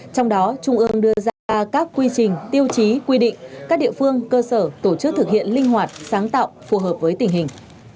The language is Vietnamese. trong đó trung ương đưa ra các quy trình tiêu chí quy định các địa phương cơ sở tổ chức thực hiện linh hoạt sáng tạo phù hợp với tình hình